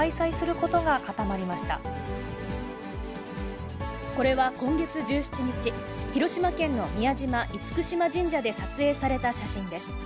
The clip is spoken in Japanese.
これは今月１７日、広島県の宮島、厳島神社で撮影された写真です。